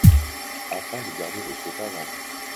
afin de garder votre otage en vie.